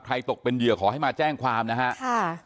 ตกเป็นเหยื่อขอให้มาแจ้งความนะฮะค่ะ